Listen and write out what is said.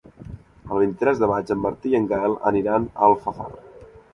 El vint-i-tres de maig en Martí i en Gaël aniran a Alfafara.